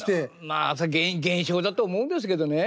まあ現象だと思うんですけどね。